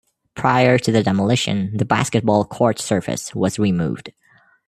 Prior to the demolition, the basketball court surface was removed.